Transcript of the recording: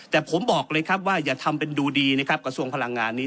แต่ผมบอกเลยครับว่าอย่าทำเป็นดูดีนะครับกระทรวงพลังงานนี้